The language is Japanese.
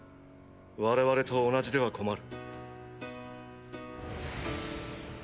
我々と同じでは困る。